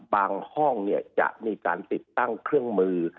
ห้องจะมีการติดตั้งเครื่องมือ